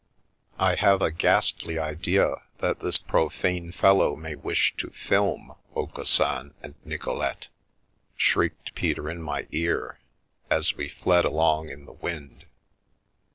287 The Milky Way " I have a ghastly idea that this profane fellow may wish to ' film '' Aucassin and Nicolete,' " shrieked Peter in my ear, as we fled along in the wind.